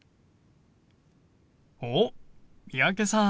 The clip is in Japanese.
おっ三宅さん